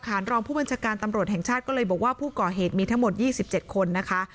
รองผู้บัญชาการตำรวจแห่งชาติก็เลยบอกว่าผู้ก่อเหตุมีทั้งหมด๒๗คนนะคะ